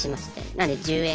なので１０円。